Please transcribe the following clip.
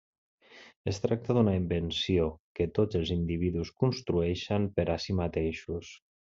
Es tracta d'una invenció que tots els individus construeixen per a si mateixos.